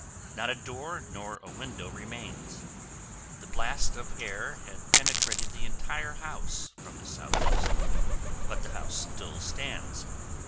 Not a door nor a window remains. The blast of air had penetrated the entire house from the southeast, but the house still stands.